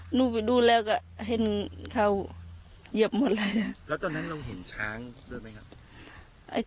หนูไปดูแล้วก็เห็นเขาเหยียบหมดเลยแล้วตอนนั้นเราเห็นช้างด้วยไหมครับ